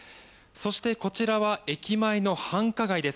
そして、こちらは駅前の繁華街です。